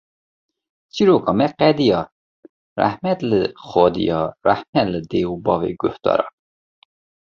Çîroka me qediya, Rehmet li xwediya, rehme li dê û bavê guhdaran